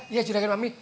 iya juda kan mami